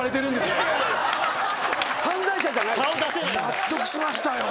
納得しましたよ。